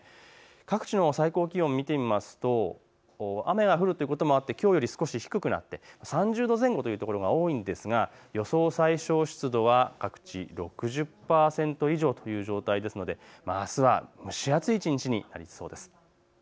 各地の最高気温を見てみると、雨が降るということもあってきょうより少し低くなって３０度前後というところが多いですが予想最小湿度は各地６０％以上という状態ですのであすは蒸し暑い一日になりそうです。